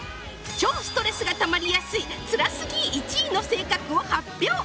超ストレスがたまりやすいつらすぎ１位の性格を発表